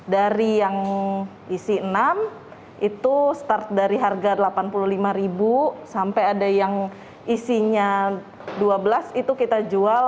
dari yang isi enam itu start dari harga rp delapan puluh lima sampai ada yang isinya dua belas itu kita jual